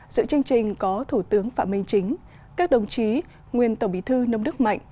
sự chương trình có thủ tướng phạm minh chính các đồng chí nguyên tổng bí thư nông đức mạnh